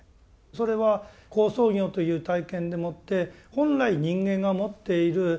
それは好相行という体験でもって本来人間が持っている